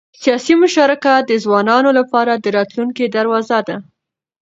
سیاسي مشارکت د ځوانانو لپاره د راتلونکي دروازه ده